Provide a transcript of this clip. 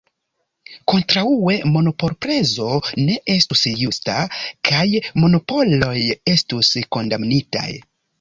Kontraŭe, monopolprezo ne estus justa, kaj monopoloj estus kondamnitaj.